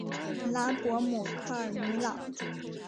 拉博姆科尔尼朗。